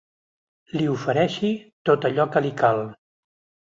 Li ofereixi tot allò que li cal.